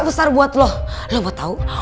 besar buat lo lo buat tau